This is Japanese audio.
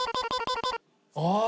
ああ！